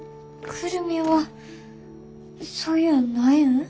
久留美はそういうんないん？